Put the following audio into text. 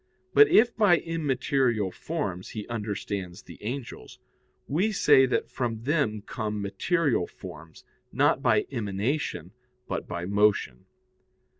But if by immaterial forms he understands the angels, we say that from them come material forms, not by emanation, but by motion.